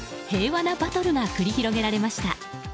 平和なバトルが繰り広げられました。